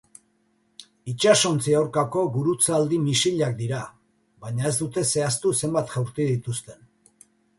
Itsasontzi aurkako gurutzaldi-misilak dira, baina ez dute zehaztu zenbat jaurti dizuten.